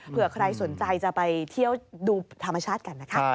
เผื่อใครสนใจจะไปเที่ยวดูธรรมชาติกันนะคะ